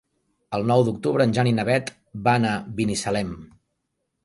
El nou d'octubre en Jan i na Beth van a Binissalem.